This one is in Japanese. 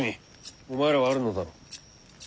お前らはあるのだろう？